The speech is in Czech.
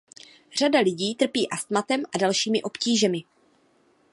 Řada lidí trpí astmatem a dalšími obtížemi.